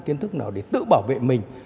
kiến thức nào để tự bảo vệ mình